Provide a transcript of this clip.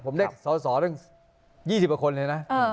ผมได้สอสอตั้ง๒๐กว่าคนเลยนะ